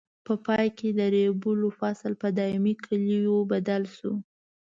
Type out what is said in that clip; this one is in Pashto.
په پای کې د ریبلو فصل په دایمي کلیو بدل شو.